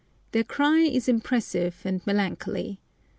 Their cry is impressive and melancholy.